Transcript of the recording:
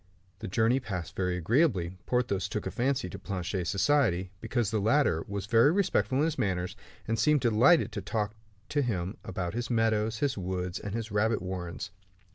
The journey passed very agreeably. Porthos took a fancy to Planchet's society, because the latter was very respectful in his manners, and seemed delighted to talk to him about his meadows, his woods, and his rabbit warrens.